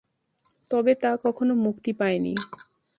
তবে তা কখনো মুক্তি পায়নি।